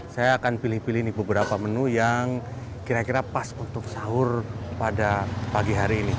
saya akan pilih pilih nih beberapa menu yang kira kira pas untuk sahur pada pagi hari ini